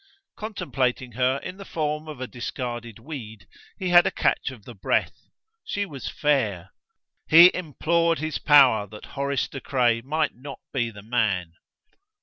Contemplating her in the form of a discarded weed, he had a catch of the breath: she was fair. He implored his Power that Horace De Craye might not be the man!